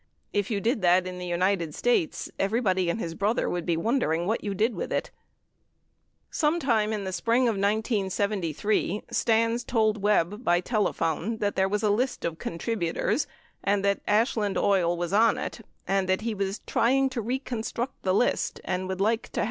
If you did that in the Unit ed States, everybody and his brother would be wondering what you did with it,* 35 Sometime in the spring of 1973, Stans told Webb by telephone that there was a list of contributors and that Ashland Oil was on it and "that he was trying to reconstruct the list and would like to 83 13 Hearings 5452